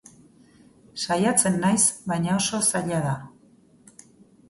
Saiatzen naiz, baina oso zaia da.